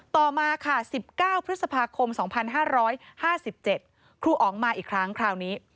ต่อมาค่ะ๑๙พฤษภาคม๒๕๕๗ครูอ๋องมาอีกครั้งคราวนี้